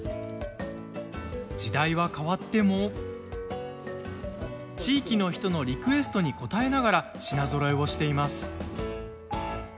時代は変わっても地域の人のリクエストに応えながら品ぞろえをしています。